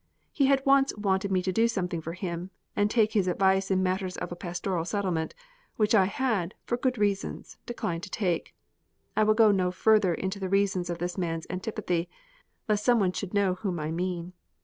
He had once wanted me to do something for him and take his advice in matters of a pastoral settlement, which I had, for good reasons, declined to take. I will not go further into the reasons of this man's antipathy, lest someone should know whom I mean.